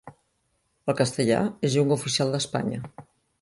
El castellà és llengua oficial d'Espanya.